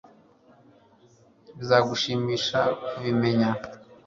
Bizagushimisha kubimenya